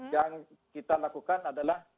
yang kita lakukan adalah